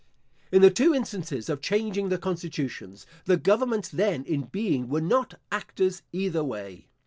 In the two instances of changing the constitutions, the governments then in being were not actors either way.